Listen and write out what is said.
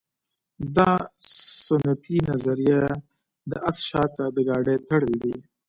دا سنتي نظریه د اس شاته د ګاډۍ تړل دي